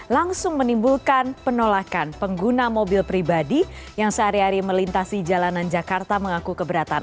langsung menimbulkan penolakan pengguna mobil pribadi yang sehari hari melintasi jalanan jakarta mengaku keberatan